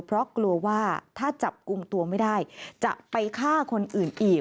เพราะกลัวว่าถ้าจับกลุ่มตัวไม่ได้จะไปฆ่าคนอื่นอีก